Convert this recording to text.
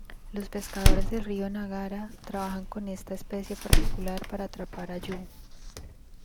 Los pescadores del río Nagara trabajan con esta especie particular para atrapar "ayu".